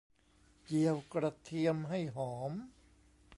เจียวกระเทียมให้หอม